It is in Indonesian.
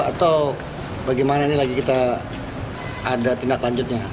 atau bagaimana ini lagi kita ada tindak lanjutnya